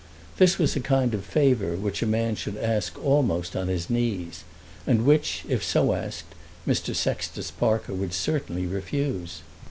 This was a kind of favour which a man should ask almost on his knees, and which, if so asked, Mr. Sextus Parker would certainly refuse.